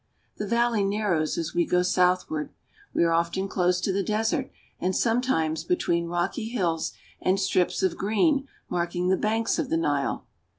The valley narrows as we go southward. We are often ^^Fclose to the desert and sometimes between rocky hills and ^^M strips of green marking the banks of the Nile.